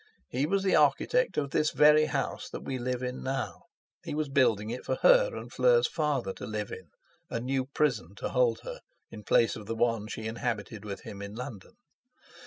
He was the architect of this very house that we live in now, he was building it for her and Fleur's father to live in, a new prison to hold her, in place of the one she inhabited with him in London.